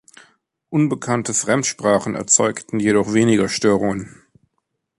Unbekannte Fremdsprachen erzeugten jedoch weniger Störungen.